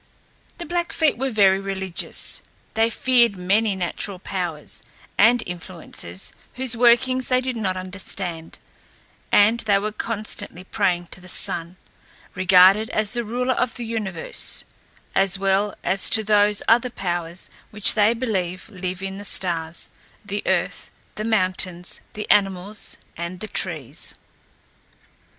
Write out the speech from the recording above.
The Blackfeet were very religious. They feared many natural powers and influences whose workings they did not understand, and they were constantly praying to the Sun regarded as the ruler of the universe as well as to those other powers which they believe live in the stars, the earth, the mountains, the animals, and the trees.